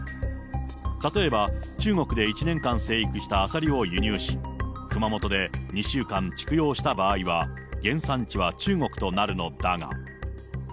例えば、中国で１年間生育したアサリを輸入し、熊本で２週間畜養した場合は、原産地は中国となるのだが。